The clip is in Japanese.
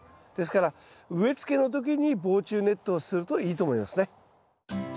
ですから植えつけの時に防虫ネットをするといいと思いますね。